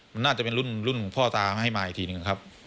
มันน่าจะเป็นรุ่นพ่อตามาให้มาอีกทีหนึ่งครับ